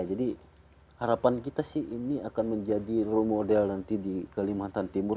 jadi harapan kita sih ini akan menjadi role model nanti di kelimantan timur